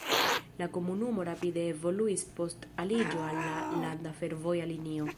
La komunumo rapide evoluis post aliĝo al la landa fervoja linio.